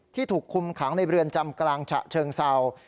ถูกคุมขังในเรือนจำกลางฉะเชิงเศร้า